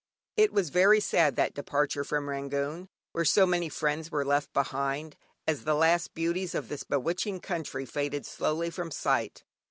It was very sad, that departure from Rangoon, where so many friends were left behind, as the last beauties of this bewitching country faded slowly from sight.